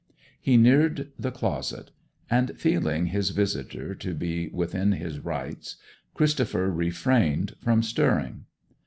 He neared the closet; and, feeling his visitor to be within his rights, Christopher refrained from stirring.